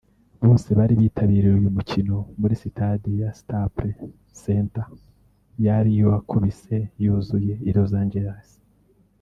bose bari bitabiriye uyu mukino muri sitade ya Staples Center yari yakubise yuzuye i Los Angeles